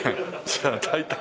じゃあ大体。